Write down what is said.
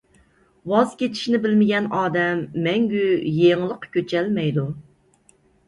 ۋاز كېچىشنى بىلمىگەن ئادەم مەڭگۈ يېڭىلىققا كۆچەلمەيدۇ.